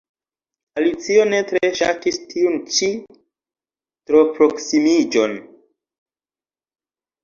Alicio ne tre ŝatis tiun ĉi troproksimiĝon.